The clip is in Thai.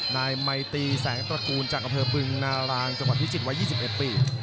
นายมัยตีแสงตระกูลจังเกิบเผลอเบื้องนารางจังหวัดพิชิตไว้๒๑ปี